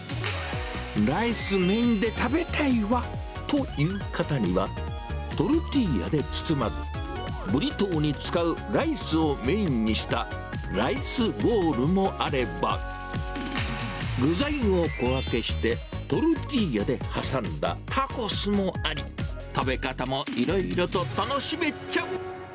ライスメインで食べたいわという方には、トルティーヤで包まず、ブリトーに使うライスをメインにしたライスボウルもあれば、具材を小分けして、トルティーヤで挟んだタコスもあり、食べ方もいろいろと楽しめちゃう。